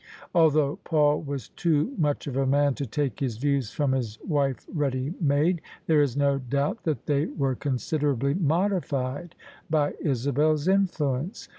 Althou^ Paul was too much of a man to take his views from his wife ready made, there is no doubt that they were considerably modified by Isabel's influence.